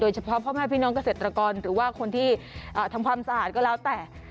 เฉพาะพ่อแม่พี่น้องเกษตรกรหรือว่าคนที่ทำความสะอาดก็แล้วแต่